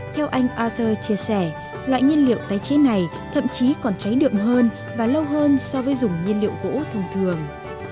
theo anh ater chia sẻ loại nhiên liệu tái chế này thậm chí còn cháy đượm hơn và lâu hơn so với dùng nhiên liệu gỗ thông thường